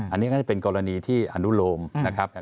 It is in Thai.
อันนี้ก็จะเป็นกรณีที่อนุโลมนะครับ